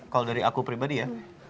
kalau dari aku pribadi ya